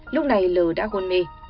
lúc này lờ đã hôn mê